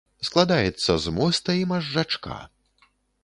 Складаецца з моста і мазжачка.